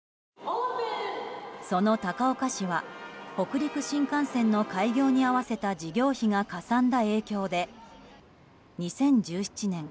その高岡市は北陸新幹線の開業に合わせた事業費がかさんだ影響で２０１７年